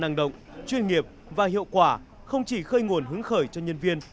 năng động chuyên nghiệp và hiệu quả không chỉ khơi nguồn hướng khởi cho nhân viên